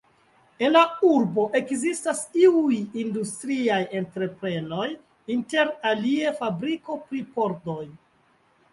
En la urbo ekzistas iuj industriaj entreprenoj, inter alie fabriko pri pordoj.